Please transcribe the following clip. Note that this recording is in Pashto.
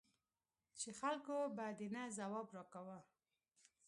چې خلکو به د نه ځواب را کاوه.